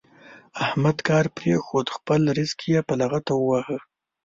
احمد کار پرېښود؛ خپل زرق يې په لغته وواهه.